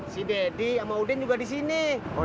si deddy sama udin juga di sini